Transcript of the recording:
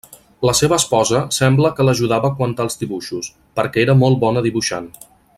La seva esposa sembla que l'ajudava quant als dibuixos, perquè era molt bona dibuixant.